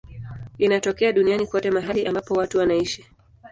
Inatokea duniani kote mahali ambapo watu wanaishi.